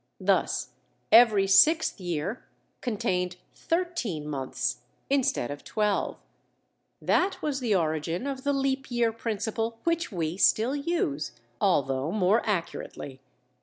Thus, every sixth year contained thirteen months instead of twelve; that was the origin of the leap year principle which we still use, although more accurately.